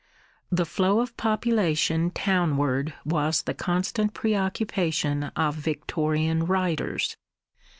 The flow of population townward was the constant preoccupation of Victorian writers.